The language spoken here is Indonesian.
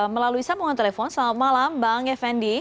melalui sambungan telepon selamat malam bang effendi